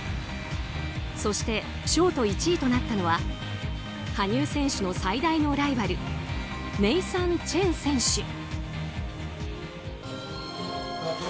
そしてショート１位となったのは羽生選手の最大のライバルネイサン・チェン選手。